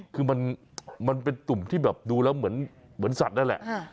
คือมันเป็นตุ่มที่แบบดูแล้วเหมือนสัตว์นั่นแหละ